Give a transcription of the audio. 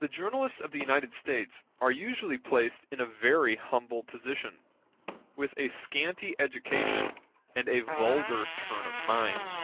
The journalists of the United States are usually placed in a very humble position, with a scanty education and a vulgar turn of mind.